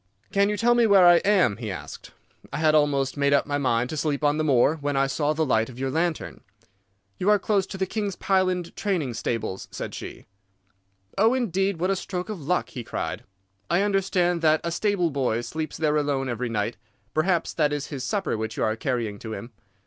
"'Can you tell me where I am?' he asked. 'I had almost made up my mind to sleep on the moor, when I saw the light of your lantern.' "'You are close to the King's Pyland training stables,' said she. "'Oh, indeed! What a stroke of luck!' he cried. 'I understand that a stable boy sleeps there alone every night. Perhaps that is his supper which you are carrying to him.